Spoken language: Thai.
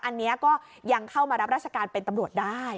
อันนี้ก็ยังเข้ามารับราชการเป็นตำรวจได้